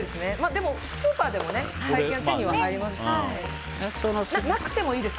でも、スーパーで最近手に入りますので。